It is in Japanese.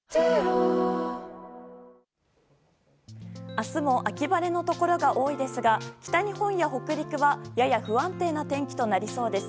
明日も秋晴れのところが多いですが北日本や北陸はやや不安定な天気となりそうです。